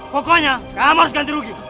pokoknya kamu harus ganti rugi